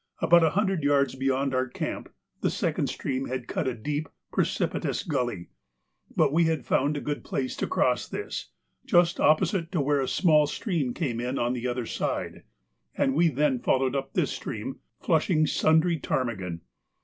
About a hundred yards beyond our camp the second stream had cut a deep, precipitous gully, but we had found a good place to cross this, just opposite to where a small stream came in on the other side, and we then followed up this stream, flushing sundry ptarmigan.